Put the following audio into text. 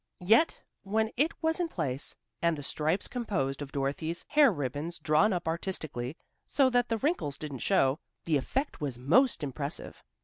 Yet when it was in place, with the stripes composed of Dorothy's hair ribbons drawn up artistically, so that the wrinkles didn't show, the effect was most impressive.